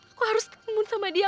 aku harus temun sama dia